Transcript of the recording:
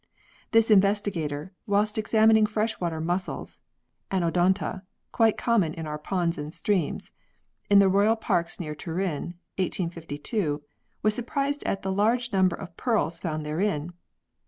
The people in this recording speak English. This investigator, whilst examining fresh water mussels (Anodonta quite common in our ponds and streams) in the royal parks near Turin (1852) was surprised at the large number of pearls found therein.